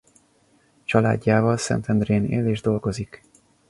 Családjával Szentendrén él és dolgozik.